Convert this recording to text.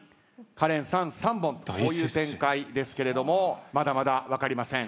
カレンさん３本という展開ですけれどもまだまだ分かりません。